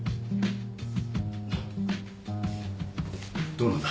どうなんだ？